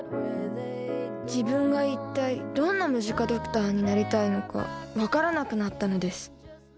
自分が一体どんなムジカドクターになりたいのか分からなくなったのです。